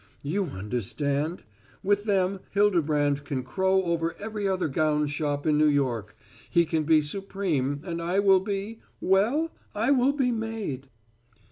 You understand! With them, Hildebrand can crow over every other gown shop in New York. He can be supreme, and I will be well, I will be made!"